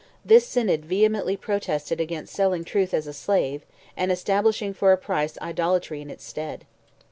This Synod vehemently protested against selling truth "as a slave," and "establishing for a price idolatry in its stead."